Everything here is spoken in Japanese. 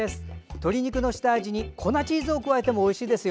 鶏肉の下味に粉チーズを加えてもおいしいですよ。